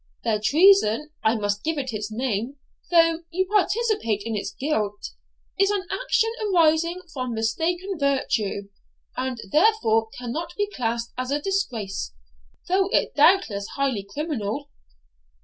Their treason I must give it its name, though you participate in its guilt is an action arising from mistaken virtue, and therefore cannot be classed as a disgrace, though it be doubtless highly criminal.